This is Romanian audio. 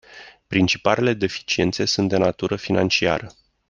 Principalele deficiențe sunt de natură financiară.